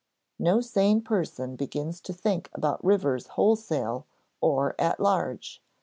No sane person begins to think about rivers wholesale or at large.